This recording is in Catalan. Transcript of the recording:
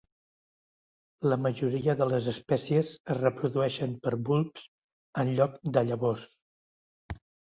La majoria de les espècies es reprodueixen per bulbs en lloc de llavors.